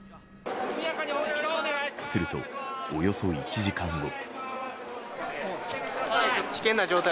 すると、およそ１時間後。